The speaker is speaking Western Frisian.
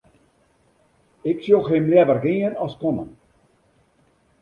Ik sjoch him leaver gean as kommen.